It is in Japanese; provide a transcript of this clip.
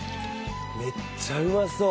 めっちゃうまそう！